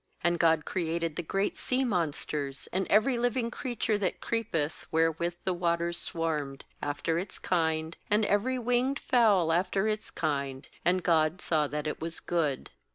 ^And God created the great sea monsters, and every living creature that creepeth, wherewith the waters swarmed, after its kind, and every winged fowl after its kind; and God saw that it was good.